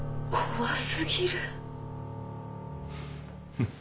フッ。